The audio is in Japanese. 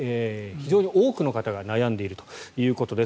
非常に多くの方が悩んでいるということです。